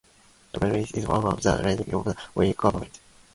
The protests continued over the lifetime of the Oresharski government.